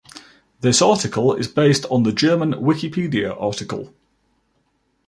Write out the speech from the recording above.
"This article is based on the German Wikipedia article"